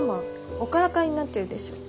おからかいになってるでしょう？